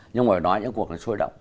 nhưng mà nói những cuộc này sôi động